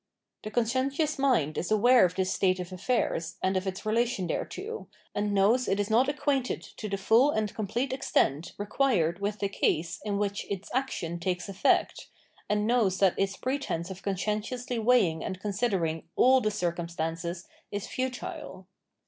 The conscientious mind is aware of this state of affairs and of its relation thereto, and knows it is not acquainted to the full and complete extent required with the case in which its action takes effect, and knows that its pretence of conscientiously weighing and considering oXl the circumstances is futile.